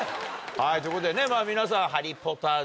はいということで皆さん『ハリー・ポッター』ね